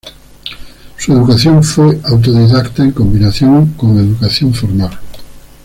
Su educación fue autodidacta en combinación con educación formal.